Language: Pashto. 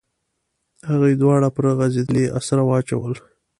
هغې دواړه پر غځېدلې اسره واچول.